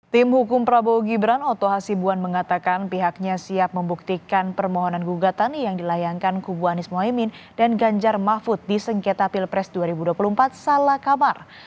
tim hukum prabowo gibran oto hasibuan mengatakan pihaknya siap membuktikan permohonan gugatan yang dilayangkan kubu anies mohaimin dan ganjar mahfud di sengketa pilpres dua ribu dua puluh empat salah kabar